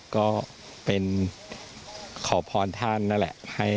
ก็เป็นขอพรท่านนั่นแหละ